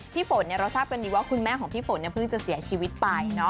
ฝนเราทราบกันดีว่าคุณแม่ของพี่ฝนเพิ่งจะเสียชีวิตไป